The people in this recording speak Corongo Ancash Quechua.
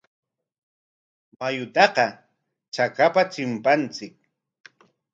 Mayutaqa chakapa chimpanchik.